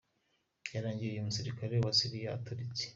Byarangiye uyu musirikare wa Syria aturitse.